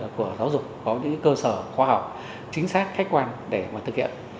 của giáo dục có những cơ sở khoa học chính xác khách quan để mà thực hiện